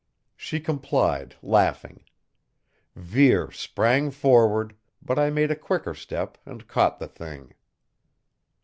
She complied, laughing. Vere sprang forward, but I made a quicker step and caught the thing.